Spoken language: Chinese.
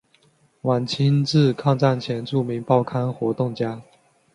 晚清至抗战前著名报刊活动家。